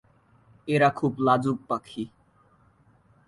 এরা খুব লাজুক পাখি।